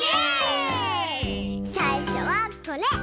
さいしょはこれ！